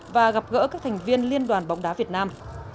và gặp gỡ các thành viên liên đoàn bóng đá việt nam